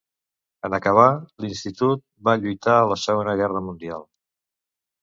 En acabar l'institut, va lluitar a la Segona Guerra Mundial.